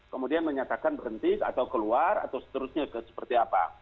kemudian menyatakan berhenti atau keluar atau seterusnya seperti apa